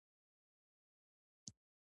دی حقایق نه پټوي.